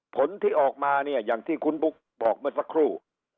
ผลที่ออกมาเนี่ยอย่างที่คุณบุ๊กบอกเมื่อสักครู่